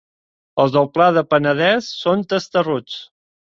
Els del Pla del Penedès són testarruts.